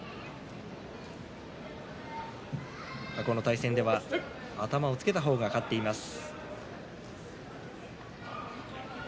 過去の対戦では頭をつけた方が勝っています。